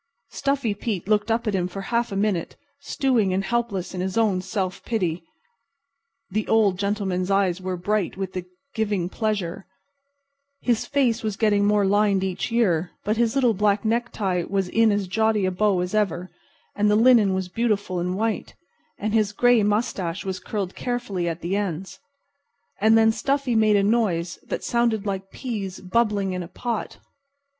Stuffy Pete looked up at him for a half minute, stewing and helpless in his own self pity. The Old Gentleman's eyes were bright with the giving pleasure. His face was getting more lined each year, but his little black necktie was in as jaunty a bow as ever, and the linen was beautiful and white, and his gray mustache was curled carefully at the ends. And then Stuffy made a noise that sounded like peas bubbling in a pot.